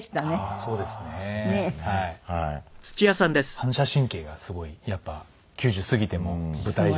反射神経がすごいやっぱ９０過ぎても舞台上で速かったです。